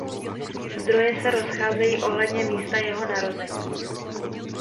Zdroje se rozcházejí ohledně místa jeho narození.